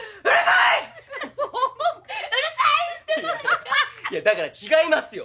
いやだから違いますよ。